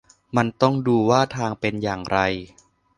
มันต้องดูว่าทางเป็นอย่างไร